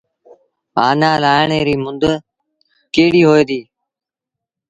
آنآ لآهڻ ريٚ مند ڪهڙيٚ هوئي ديٚ۔